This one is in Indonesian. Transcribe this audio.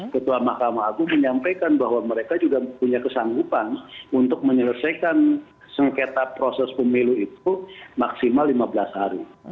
ketua mahkamah agung menyampaikan bahwa mereka juga punya kesanggupan untuk menyelesaikan sengketa proses pemilu itu maksimal lima belas hari